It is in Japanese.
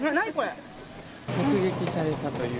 目撃されたという。